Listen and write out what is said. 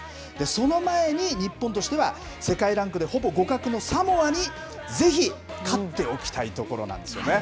その前に日本としては世界ランクでほぼ互角のサモアにぜひ勝っておきたいところなんですね。